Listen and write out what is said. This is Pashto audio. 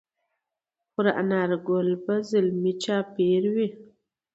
پر انارګل به زلمي چاپېروي